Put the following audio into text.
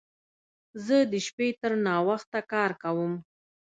زه د شپې تر ناوخت کار کوم.